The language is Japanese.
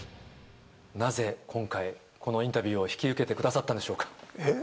なぜ今回、このインタビューを引き受けてくださったんでしょうか。